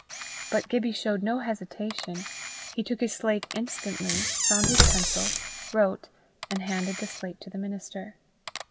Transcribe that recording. But Gibbie showed no hesitation; he took his slate instantly, found his pencil, wrote, and handed the slate to the minister.